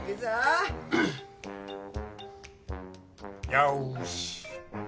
よし。